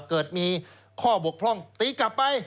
เกิดมีข้อบกพร่องตีกลับไป